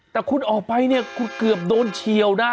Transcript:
แต่คุณออกไปเนี่ยคุณเกือบโดนเฉียวนะ